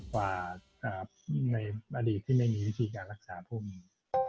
ในอดีตที่ไม่มีวิธีการรักษาผู้มี